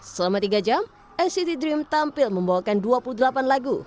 selama tiga jam sct dream tampil membawakan dua puluh delapan lagu